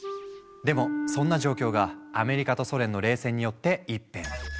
でもそんな状況がアメリカとソ連の冷戦によって一変。